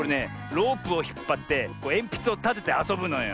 ロープをひっぱってえんぴつをたててあそぶのよ。